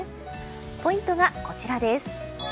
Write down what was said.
ポイントがこちらです。